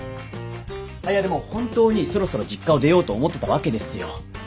あっいやでも本当にそろそろ実家を出ようと思ってたわけですよ。